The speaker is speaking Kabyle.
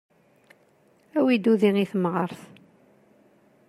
Awi udi i tamɣart.